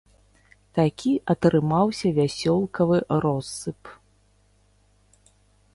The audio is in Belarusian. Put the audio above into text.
Такі атрымаўся вясёлкавы россып!